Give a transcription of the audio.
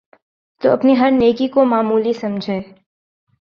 تو اپنی ہر نیکی کو معمولی سمجھے